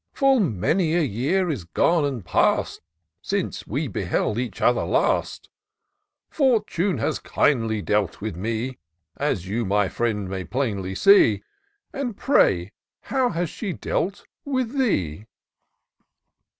Full many a year is gone and past, Since we beheld each other last: Fortune has kindly dealt with me, As you, my friend, may plainly see ; And pray how has she dealt with thee